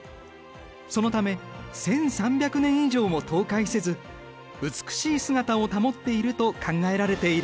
そのため１３００年以上も倒壊せず美しい姿を保っていると考えられている。